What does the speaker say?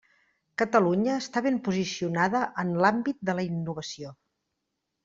Catalunya està ben posicionada en l'àmbit de la innovació.